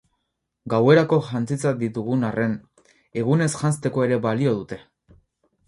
Gauerako jantzitzat ditugun arren, egunez janzteko ere balio dute.